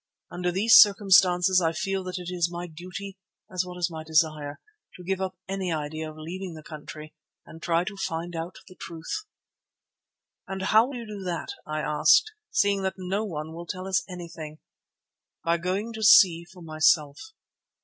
Under these circumstances I feel that it is my duty, as well as my desire, to give up any idea of leaving the country and try to find out the truth." "And how will you do that," I asked, "seeing that no one will tell us anything?" "By going to see for myself."